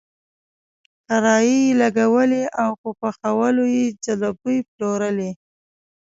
کرایي یې لګولی او په پخولو یې ځلوبۍ پلورلې.